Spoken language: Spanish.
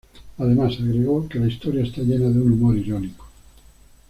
Además agregó que la historia "está llena de un humor irónico".